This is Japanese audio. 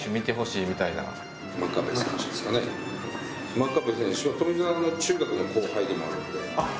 真壁選手は富澤の中学の後輩でもあるので。